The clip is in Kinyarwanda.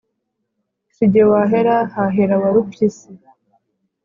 si ge wahera, hahera warupyisi